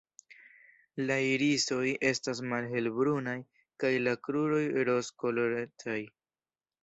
La irisoj estas malhelbrunaj kaj la kruroj rozkolorecaj.